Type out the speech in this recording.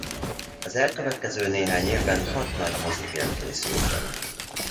Az elkövetkező néhány évben hat nagy mozifilm készült vele.